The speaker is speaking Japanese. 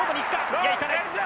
いやいかない。